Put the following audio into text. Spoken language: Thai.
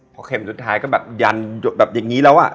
พอเข็มสุดท้ายก็แบบยันหยดแบบอย่างนี้แล้วอะ